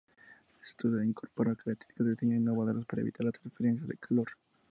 La estructura incorpora características de diseño innovadoras para evitar la transferencia de calor.